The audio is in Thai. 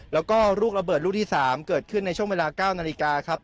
แล้วก็ลูกระเบิดลูกที่๓เกิดขึ้นในช่วงเวลา๙นาฬิกาครับ